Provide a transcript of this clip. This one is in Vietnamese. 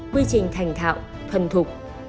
quy trình thành thạo thuần thục